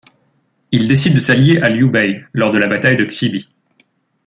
Il décide de s'allier à Liu Bei, lors de la bataille de Chi Bi.